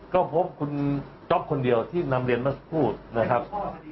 ก็พบคุณจ๊อปคนเดียวที่นำเรียนมาสู่พูษนะครับ